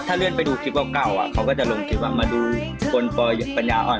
ถ้าเลื่อนไปดูคลิปเก่าเขาก็จะลงคลิปว่ามาดูคนปัญญาอ่อน